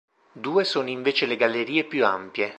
Due sono invece le gallerie più ampie.